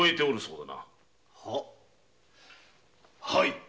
はい。